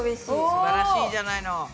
すばらしいじゃないの。